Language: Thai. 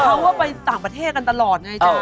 เขาก็ไปต่างประเทศกันตลอดไงจ๊ะ